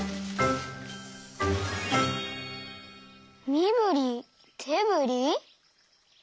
「みぶりてぶり」？